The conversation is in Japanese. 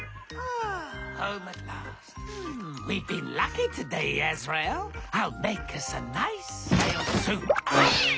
あっ！